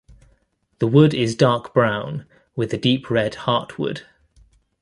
The wood is dark brown, with a deep red heartwood.